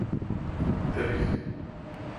А где бих?